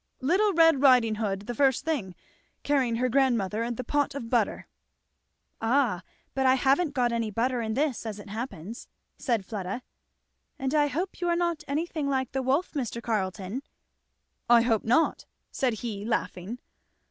"Little Red Riding Hood, the first thing, carrying her grandmother the pot of butter." "Ah but I haven't got any butter in this as it happens," said Fleda, "and I hope you are not anything like the wolf, Mr. Carleton?" "I hope not," said he laughing.